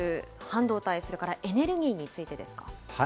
ＩＰＥＦ、半導体、それからエネルギーについてですか。